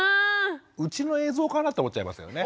うちの映像かなと思っちゃいましたよね。